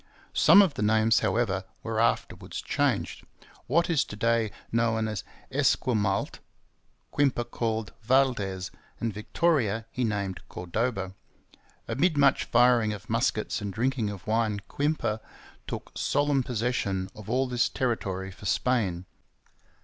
Some of the names, however, were afterwards changed. What is to day known as Esquimalt, Quimper called Valdes, and Victoria he named Cordoba. Amid much firing of muskets and drinking of wine Quimper took solemn possession of all this territory for Spain.